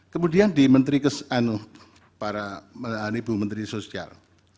kemudian di menteri para ibu menteri sosial